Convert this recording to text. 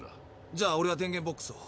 じゃあオレは電源ボックスを。